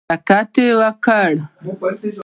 حرکت وکړه